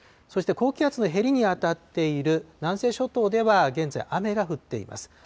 そして高気圧のへりに当たっている南西諸島では現在雨が降っています。